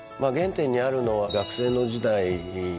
原点にあるのは学生の時代